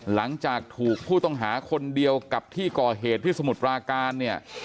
หลังจากถูกผู้ต้องหาคนเดียวกับที่ก่อเหตุที่สมุทรปราการเนี่ย